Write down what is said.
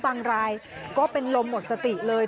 รายก็เป็นลมหมดสติเลย